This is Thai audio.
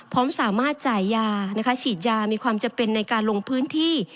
พร้อมสามารถจ่ายยานะคะฉีดยามีความจำเป็นในการลงพื้นที่